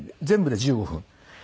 全部で１５分。